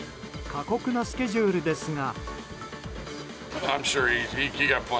過酷なスケジュールですが。